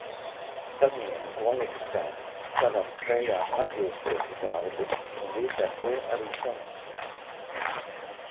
Saņēmu kvalificētu, savām spējām atbilstošu darbu un līdz ar to arī samaksu.